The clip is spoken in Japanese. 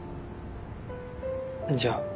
じゃあ。